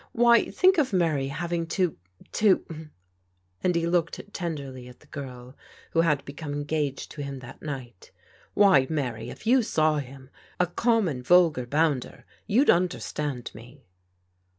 Why, think of Mary hav ing to — ^to " and he looked tenderly at the girl who had become engaged to him that night. "Why, Mary, if you saw him — a common, vulgar bounder, you'd understand me